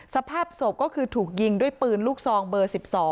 สภาพศพก็คือถูกยิงด้วยปืนลูกซองเบอร์๑๒